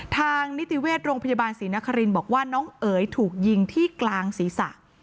ทางนิติเวชโรงพยาบาลศรีนครินบอกว่าน้องเอ๋ยถูกยิงที่กลางศีรษะ